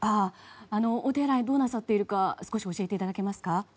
お手洗いどうなさっているか少し教えていただけますか。